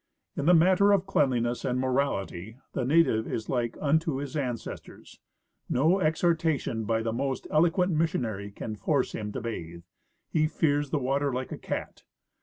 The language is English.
In the matter of cleanliness and morality the native is like unto his ancestors. No exhortation by the most eloquent missionary can force him to bathe. He fears the water like a cat.